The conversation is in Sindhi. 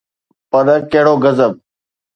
پر ڪهڙو غضب.